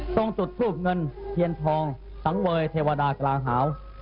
ต้องจุดทูบเงินเทียนทองสังเวยเทวดากลางหาว